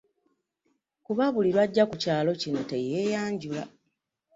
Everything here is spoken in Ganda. Kuba buli lw'ajja ku kyalo kino teyeeyanjula.